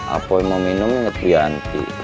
apa yang mau minum inget ya nanti